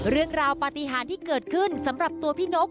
เรื่องราวปฏิหารที่เกิดขึ้นสำหรับตัวพี่นก